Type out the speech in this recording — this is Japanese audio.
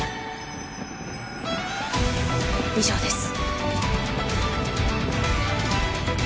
以上です。